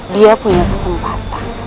dia punya kesempatan